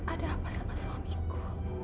ada apa sama suamiku